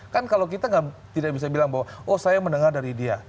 kan kalau kita tidak bisa bilang bahwa oh saya mendengar dari dia